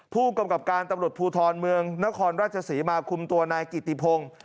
ผู้กำกับการตำรวจภูทรเมืองนครราชศรีมาคุมตัวนายกิติพงศ์